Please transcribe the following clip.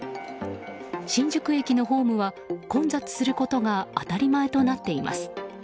新宿駅のホームは混雑することが当たり前となっています。